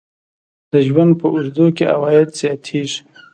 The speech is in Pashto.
د ژوند په اوږدو کې عواید زیاتیږي.